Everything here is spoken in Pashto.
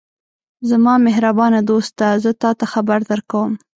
زما مهربانه دوسته! زه تاته خبر درکوم.